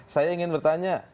saya ingin bertanya